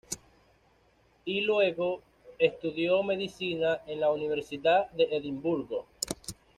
Y, luego estudió medicina en la Universidad de Edimburgo.